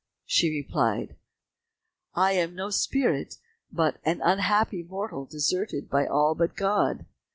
She replied, "I am no spirit, but an unhappy mortal deserted by all but God."